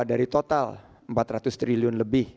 dari total empat ratus triliun lebih